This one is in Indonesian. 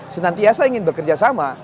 senantiasa ingin bekerja sama